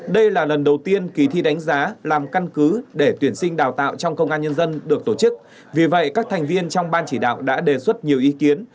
đây là lần đầu tiên kỳ thi đánh giá làm căn cứ để tuyển sinh đào tạo trong công an nhân dân được tổ chức vì vậy các thành viên trong ban chỉ đạo đã đề xuất nhiều ý kiến